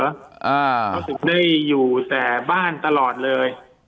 รู้สึกได้อยู่แต่บ้านตลอดเลย